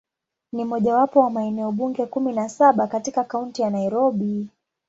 Ni mojawapo wa maeneo bunge kumi na saba katika Kaunti ya Nairobi.